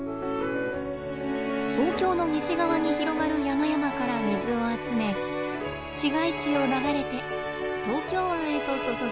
東京の西側に広がる山々から水を集め市街地を流れて東京湾へと注ぎます。